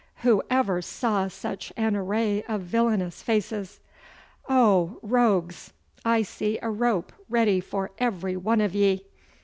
Who ever saw such an array of villainous faces? Ah, rogues, I see a rope ready for every one of ye!